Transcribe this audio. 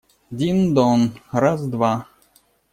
Дин-дон… раз, два!..»